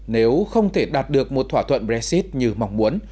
nếu không thể đạt được một thỏa thuận brexit như mong muốn